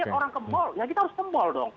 kita lihat orang kemol ya kita harus kemol dong